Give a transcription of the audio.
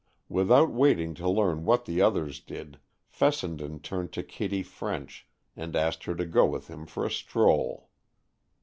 Without waiting to learn what the others did, Fessenden turned to Kitty French, and asked her to go with him for a stroll.